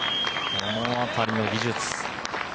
この辺りの技術。